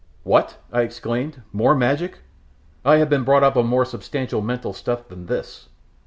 "What!" I exclaimed, "more magic? I have been brought up on more substantial mental stuff than this."